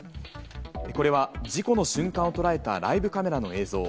これは事故の瞬間を捉えたライブカメラの映像。